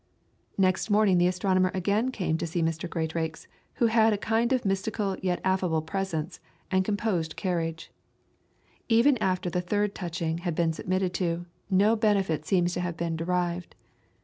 Next morning the astronomer came again to see Mr. Greatrackes, who had "a kind of majestical yet affable presence, and a composed carriage." Even after the third touching had been submitted to, no benefit seems to have been derived.